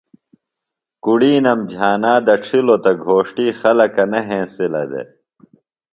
کُڑِینم جھانا دڇِھلوۡ تہ گھوݜٹی خلک نہ ہینسِلہ دےۡ